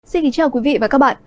xin kính chào quý vị và các bạn